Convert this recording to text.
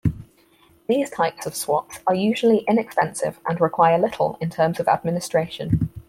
These types of swaps are usually inexpensive and require little in terms of administration.